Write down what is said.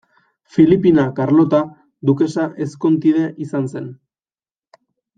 Filipina Karlota dukesa ezkontidea izan zen.